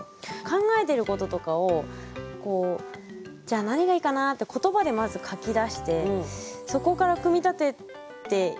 考えてることとかをこうじゃあ何がいいかなって言葉でまず書き出してそこから組み立てていったんですよ。